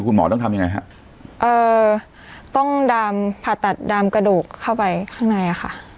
คุณหมอต้องทำยังไงฮะเอ่อต้องดามผ่าตัดดามกระดูกเข้าไปข้างในอ่ะค่ะ